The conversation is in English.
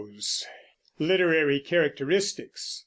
LITERARY CHARACTERISTICS.